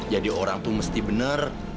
jadi orang tuh mesti bener